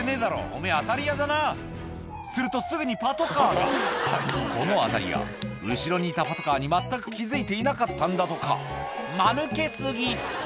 おめぇ当たり屋だなするとすぐにパトカーがこの当たり屋後ろにいたパトカーに全く気付いていなかったんだとかマヌケ過ぎ！